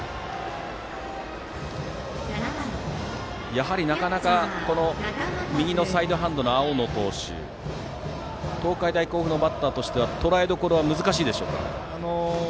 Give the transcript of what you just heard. やはり、なかなか右のサイドハンドの青野投手は東海大甲府のバッターとしてはとらえどころは難しいでしょうか。